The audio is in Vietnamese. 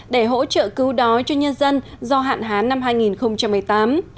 để hỗ trợ cứu đói cho nhân dân do hạn hán năm hai nghìn một mươi tám